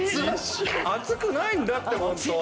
熱くないんだってホントは。